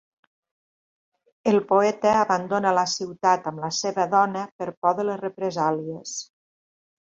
El poeta abandona la ciutat amb la seva dona per por de les represàlies.